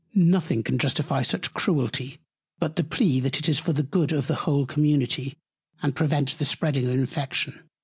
Nothing can justify such Cruelty, but the Plea, that it is for the Good of the whole Community, and prevents the spreading of Infection.